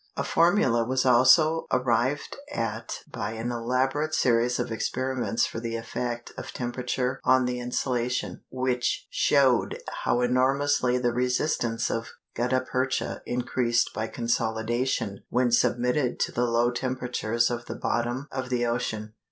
A formula was also arrived at by an elaborate series of experiments for the effect of temperature on the insulation, which showed how enormously the resistance of gutta percha increased by consolidation when submitted to the low temperatures of the bottom of the ocean.